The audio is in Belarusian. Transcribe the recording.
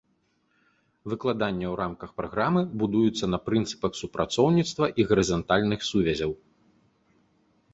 Выкладанне ў рамках праграмы будуецца на прынцыпах супрацоўніцтва і гарызантальных сувязяў.